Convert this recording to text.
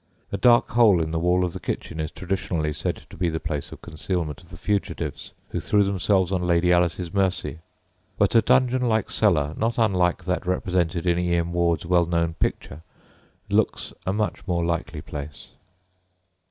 A dark hole in the wall of the kitchen is traditionally said to be the place of concealment of the fugitives, who threw themselves on Lady Alice's mercy; but a dungeon like cellar not unlike that represented in E. M. Ward's well known picture looks a much more likely place.